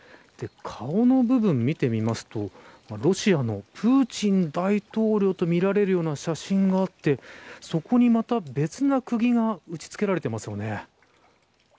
顔の部分を見てみますとロシアのプーチン大統領と見られるような写真があってそこにまた別なくぎが打ち付けられていますよね。